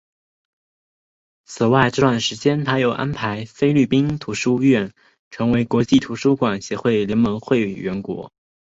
此外这段期间他又安排菲律宾图书馆学会成为国际图书馆协会联盟的会员国。